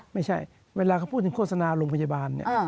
ไม่ใช่เวลาเขาพูดถึงโฆษณาโรงพยาบาลเนี่ย